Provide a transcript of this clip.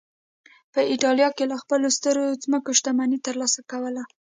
په اېټالیا کې له خپلو سترو ځمکو شتمني ترلاسه کوله